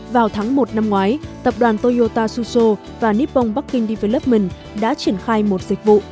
vào tháng một năm ngoái tập đoàn toyota suzhou và nippon bucking development đã triển khai một dịch vụ